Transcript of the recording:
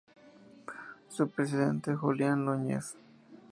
Su presidente es Julián Núñez.